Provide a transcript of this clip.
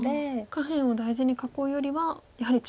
下辺を大事に囲うよりはやはり中央ですか。